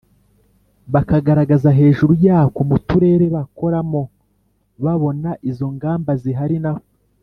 Bakagaragaza hejuru yako mu turere bakoramo babona izo ngamba zihari naho